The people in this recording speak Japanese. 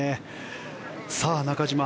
さあ、中島